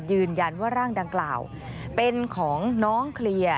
ยืนยันว่าร่างดังกล่าวเป็นของน้องเคลียร์